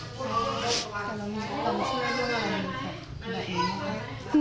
ไม่มีร้างไม่มีความรู้สึกอะไร